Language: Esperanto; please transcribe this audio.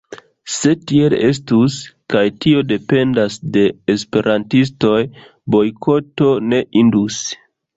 Se tiel estus, kaj tio dependas de esperantistoj, bojkoto ne indus.